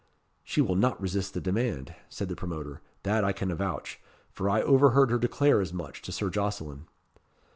"She will not resist the demand," said the promoter. "That I can avouch, for I overheard her declare as much to Sir Jocelyn."